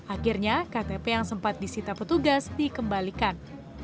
akhirnya ktp yang sempat disita petugas dikembalikan